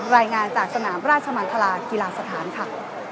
รายงานจากสนามราชมังคลากีฬาสถานค่ะ